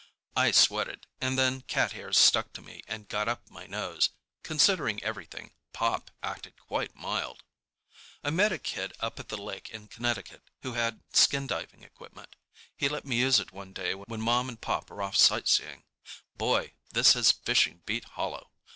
I sweated, and then cat hairs stuck to me and got up my nose. Considering everything, Pop acted quite mild. I met a kid up at the lake in Connecticut who had skin diving equipment. He let me use it one day when Mom and Pop were off sight seeing. Boy, this has fishing beat hollow!